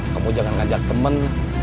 kamu jangan ngajak temen